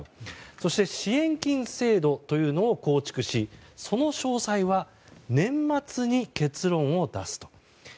そして支援金制度というのを構築しその詳細は年末に結論を出すと。